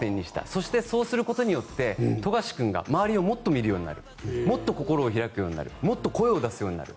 そして、そうすることによって富樫君が周りをもっと見るようになるもっと心を開くようになるもっと声を出すようになる。